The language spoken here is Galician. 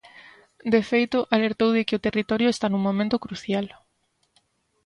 De feito, alertou de que o territorio está nun momento crucial.